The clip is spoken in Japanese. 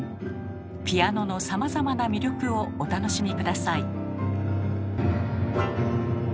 ピアノのさまざまな魅力をお楽しみ下さい。